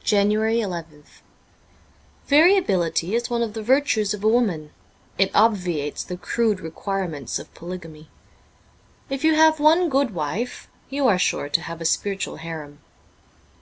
^ JANUARY^3"th VARIABILITY is one of the virtues of a woman. It obviates the crude requirements of polygamy. If you have one good wife you are sure to have a spiritual harem.